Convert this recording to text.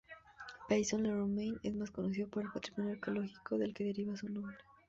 Vaison-la-Romaine es más conocido por el patrimonio arqueológico del que deriva su nombre.